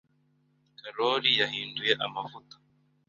Karoli yahinduye amavuta.